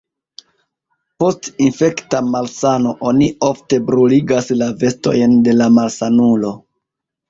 Post infekta malsano oni ofte bruligas la vestojn de la malsanulo.